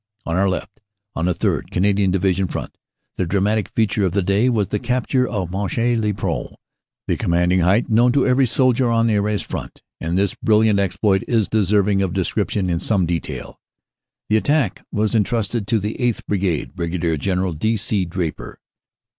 On our left, on the 3rd. Canadian Division front, the dramatic feature of the day was the capture of Monchy le Preux, the commanding height known to every soldier on the Arras front, and this brilliant exploit is deserving of descrip tion in some detail. The attack was entrusted to the 8th. Brigade, (Brig. General D. C. Draper).